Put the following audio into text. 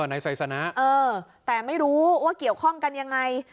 นายไซสนะเออแต่ไม่รู้ว่าเกี่ยวข้องกันยังไง